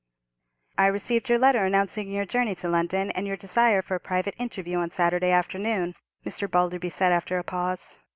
"I received your letter announcing your journey to London, and your desire for a private interview, on Saturday afternoon," Mr. Balderby said, after a pause.